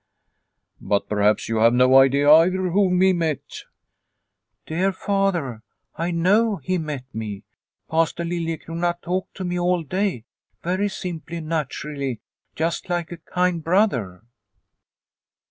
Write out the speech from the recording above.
" But perhaps you have no idea either whom he met ?"" Dear Father, I know he met me. Pastor Liliecrona talked to me all day, very simply and naturally, just like a kind brother."